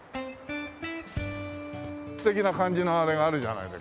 素敵な感じのあれがあるじゃないのよ。